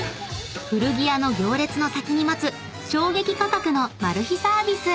［古着屋の行列の先に待つ衝撃価格のマル秘サービス］